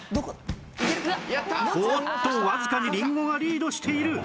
おっとわずかにりんごがリードしている